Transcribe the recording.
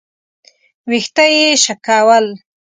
ويښته يې شکول.